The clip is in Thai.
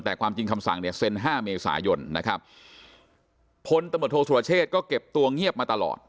แต่ความจริงคำสั่งเนี่ยเซ็นห้าเมษายนนะครับพลตำรวจโทษสุรเชษก็เก็บตัวเงียบมาตลอด